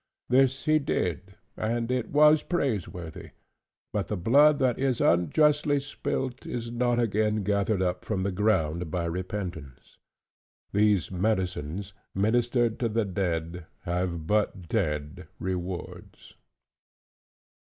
This he did; and it was praise worthy. But the blood that is unjustly spilt, is not again gathered up from the ground by repentance. These medicines, ministered to the dead, have but dead rewards.